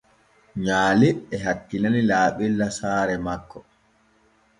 Nyaale e hakkilani laaɓella saare makko.